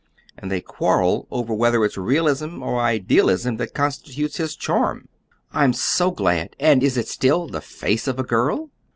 And they quarrel over whether it's realism or idealism that constitutes his charm." "I'm so glad! And is it still the 'Face of a Girl'?"